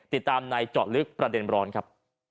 ติดตามในเจาะลึกประเด็นร้อนครับ